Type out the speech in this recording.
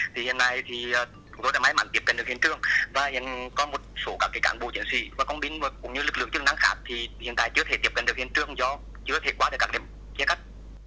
thì hiện nay thì chúng tôi đã may mắn tiếp cận được hiện trường và hiện có một số các cán bộ chiến sĩ và công binh cũng như lực lượng chức năng khác thì hiện tại chưa thể tiếp cận được hiện trường do chưa thể qua được các điểm chia cắt